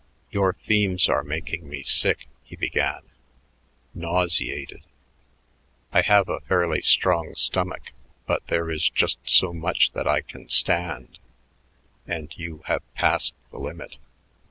"Your themes are making me sick," he began, "nauseated. I have a fairly strong stomach, but there is just so much that I can stand and you have passed the limit.